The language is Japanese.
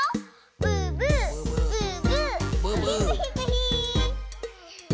ブーブー。